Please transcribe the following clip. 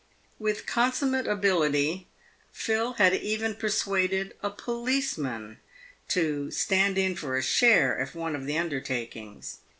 With consummate ability, Phil had even persuaded a policeman " to stand in for a share" of one of the undertakings.